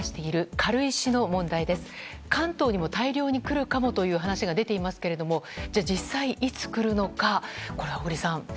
関東にも大量に来るかもという話が出ていますけれども、じゃあ実際いつ来るのか、これは小栗さん。